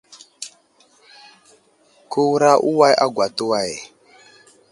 Kewura uway agwa atu way.